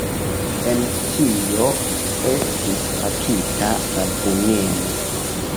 En kio estis pakita la veneno?